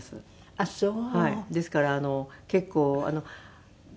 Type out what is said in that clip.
あっそう。